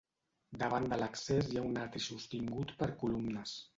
Davant de l'accés hi ha un atri sostingut per columnes.